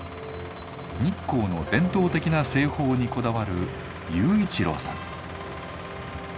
日光の伝統的な製法にこだわる雄一郎さん。